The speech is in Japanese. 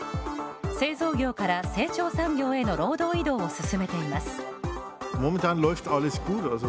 製造業から成長産業への労働移動を進めています。